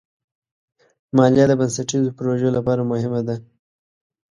مالیه د بنسټیزو پروژو لپاره مهمه ده.